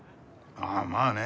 ああまあね。